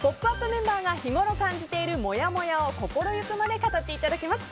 メンバーが日ごろ感じている、もやもやを心ゆくまで語っていただきます。